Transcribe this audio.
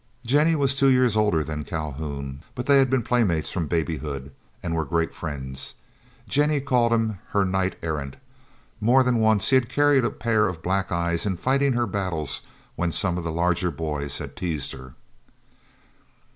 Jennie was two years older than Calhoun, but they had been playmates from babyhood, and were great friends. Jennie called him her knight errant. More than once he had carried a pair of black eyes in fighting her battles when some of the larger boys had teased her.